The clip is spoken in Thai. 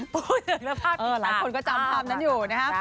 พูดถึงว่าผ้าติดตาหลายคนก็จำความนั้นอยู่นะครับ